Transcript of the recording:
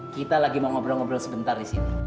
kita lagi mau ngobrol ngobrol sebentar di sini